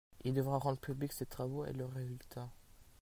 Il devra rendre publics ses travaux et leurs résultats.